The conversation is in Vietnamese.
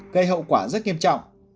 gây hậu quả rất nghiêm trọng